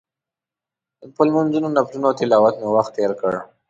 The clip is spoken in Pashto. په لمونځونو، نفلونو او تلاوت مې وخت تېر کړ.